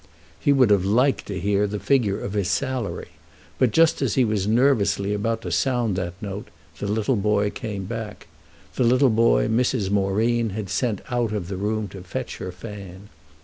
He would have liked to hear the figure of his salary; but just as he was nervously about to sound that note the little boy came back—the little boy Mrs. Moreen had sent out of the room to fetch her fan.